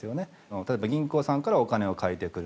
例えば銀行さんからお金を借りてくる。